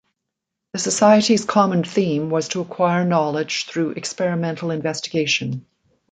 The society's common theme was to acquire knowledge through experimental investigation.